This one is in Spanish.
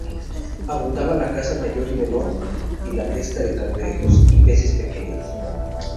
Abundaba la caza mayor y menor y la pesca de cangrejos y "peces pequeños".